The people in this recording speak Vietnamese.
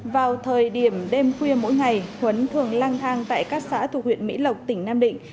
vào thời điểm đêm khuya mỗi ngày khuấn thường lang thang tại các xã thuộc huyện mỹ lộc tỉnh nam định